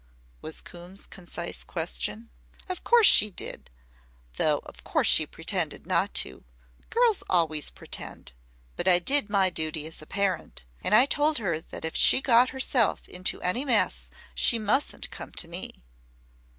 was Coombe's concise question. "Of course she did though of course she pretended not to. Girls always pretend. But I did my duty as a parent. And I told her that if she got herself into any mess she mustn't come to me."